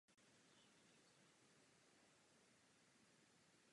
Nachází se na severu Rataj.